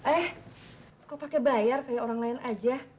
eh kok pakai bayar kayak orang lain aja